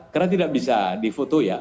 karena tidak bisa di foto ya